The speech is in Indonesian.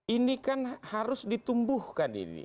ini kan harus ditumbuhkan